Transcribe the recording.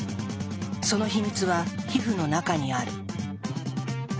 その秘密は皮膚の中にある。